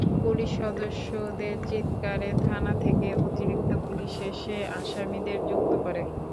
Police সদস্যদের চিৎকারে থানা থেকে অতিরিক্ত পুলিশ এসে আসামিদের মুক্ত করে।